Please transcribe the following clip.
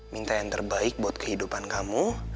minta yang terbaik buat kehidupan kamu